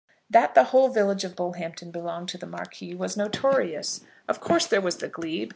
That the whole village of Bullhampton belonged to the Marquis was notorious. Of course there was the glebe.